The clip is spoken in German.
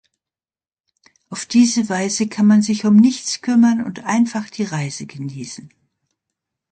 Auf diese Weise kann man sich um nichts kümmern und einfach die Reise genießen.